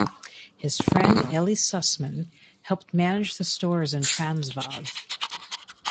His friend Eli Susman helped manage the stores in Transvaal.